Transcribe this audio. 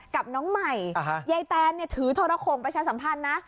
กับน้องใหม่อ่าฮะยายแตนเนี้ยถือโทรโครงประชาสัมพันธ์นะ